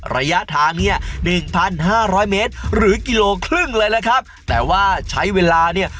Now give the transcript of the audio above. ระยะทางเนี้ย๑๕๐๐เมตรหรือกิโลครึ่งเลยแหละครับแต่ว่าใช้เวลาเนี้ย